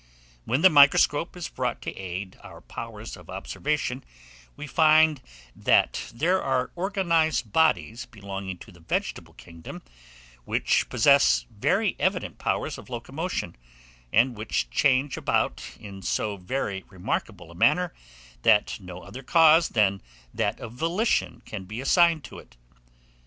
When the microscope is brought to aid our powers of observation, we find that there are organized bodies belonging to the vegetable kingdom which possess very evident powers of locomotion, and which change about in so very remarkable a manner, that no other cause than that of volition can be assigned to it."